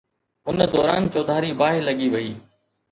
ان دوران چوڌاري باهه لڳي وئي